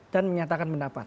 dan menyatakan pengawasan